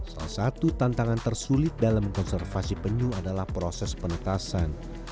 salah satu tantangan tersulit dalam konservasi penyu adalah proses penetasan